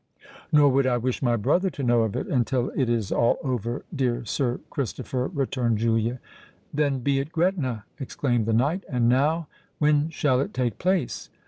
"Nor would I wish my brother to know of it until it is all over, dear Sir Christopher," returned Julia. "Then be it Gretna!" exclaimed the knight. "And now when shall it take place?"